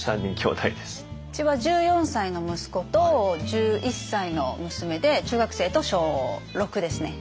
うちは１４歳の息子と１１歳の娘で中学生と小６ですね。